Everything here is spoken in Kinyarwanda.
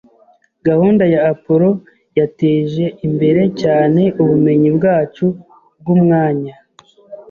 Gahunda ya Apollo yateje imbere cyane ubumenyi bwacu bwumwanya.